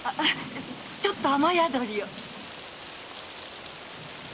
ちょっと雨宿りを。